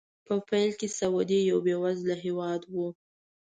په پیل کې سعودي یو بې وزله هېواد و.